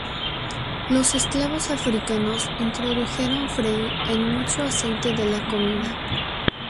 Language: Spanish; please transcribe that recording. Los esclavos africanos introdujeron freír en mucho aceite de la comida.